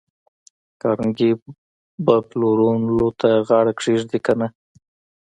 کارنګي به پلورلو ته غاړه کېږدي که نه